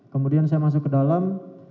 kemudian saya masuk ke dalam